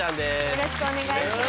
よろしくお願いします。